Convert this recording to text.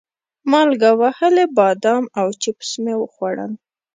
مالګه وهلي بادام او چپس مې وخوړل.